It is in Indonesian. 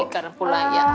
karena pulang ya